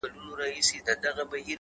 • دادی حالاتو سره جنگ کوم لگيا يمه زه،